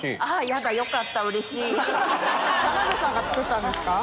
田辺さんが作ったんですか？